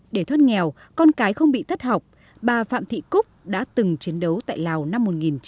để thoát nghèo con cái không bị thất học bà phạm thị cúc đã từng chiến đấu tại lào năm một nghìn chín trăm bảy mươi